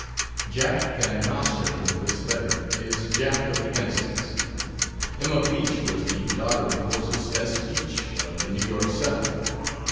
Jack Van Nostrand of this letter is "Jack" of the Innocents. Emma Beach was the daughter of Moses S. Beach, of the 'New York Sun.'